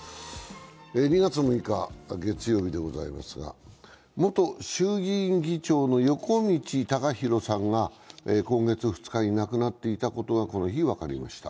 ２月６日月曜日でございますが、元衆議院議長の横路孝弘さんが今月２日に亡くなっていたことがこの日、分かりました。